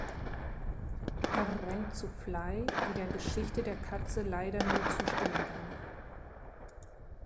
Er rennt zu Fly, die der Geschichte der Katze leider nur zustimmen kann.